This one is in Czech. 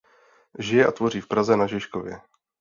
Žije a tvoří v Praze na Žižkově.